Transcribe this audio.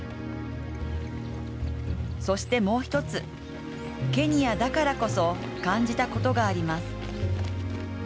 そしてもう一つ、ケニアだからこそ感じたことがあります。